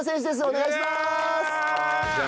お願いします。